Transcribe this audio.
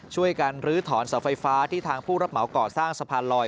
ช่วยกันลื้อถอนเสาไฟฟ้าที่ทางผู้รับเหมาก่อสร้างสะพานลอย